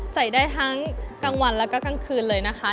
ใส่ได้ทั้งกลางวันแล้วก็กลางคืนเลยนะคะ